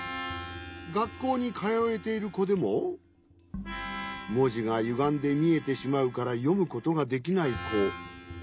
がっこうにかよえているこでももじがゆがんでみえてしまうからよむことができないこ。